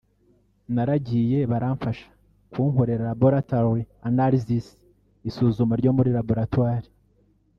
naragiye baramfasha kunkorera laboratory analysis (isuzuma ryo muri laboratwari)